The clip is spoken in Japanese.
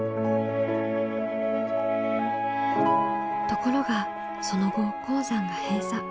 ところがその後鉱山が閉鎖。